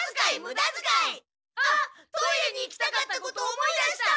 あっトイレに行きたかったこと思い出した！